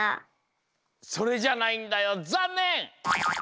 それじゃないんだよざんねん！